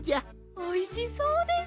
おいしそうです！